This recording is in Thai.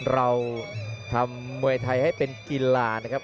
เราทำมวยไทยให้เป็นกีฬานะครับ